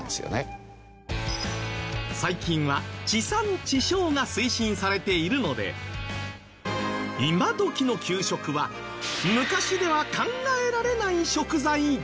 最近は地産地消が推進されているので今どきの給食は昔では考えられない食材だらけ。